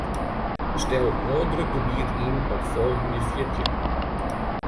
Stel ôfdrukgebiet yn op folgjende fjirtjin.